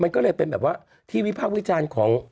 มันก็เลยเป็นแบบว่าที่วิพากษ์วิจารณ์ของ